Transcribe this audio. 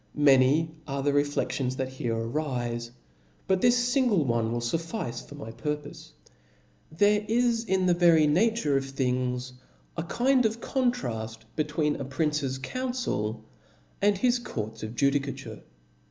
Many arc the reflexions that here arife i but this fingle one will fufEce for my purpofe. There is in the vefry nature of things a kind of <:oiitraft between a prince's council and his courts of* I judicature.